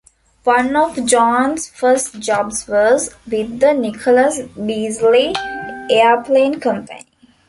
One of Jones' first jobs was with the Nicholas-Beazley Airplane Company.